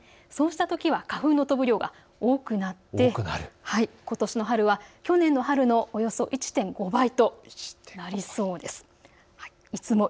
そうしたときは花粉の飛ぶ量が多くなってことしの春は去年の春のおよそ１．５倍となりそうです。